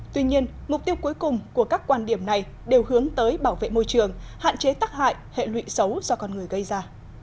tuy nhiên mục tiêu cuối cùng của các quan điểm này đều hướng tới bảo vệ môi trường hạn chế tắc hại hệ lụy xấu do con người gây ra